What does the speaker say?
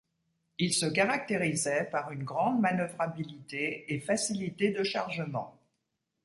Il se caractérisait par une grande manœuvrabilité et facilité de chargement.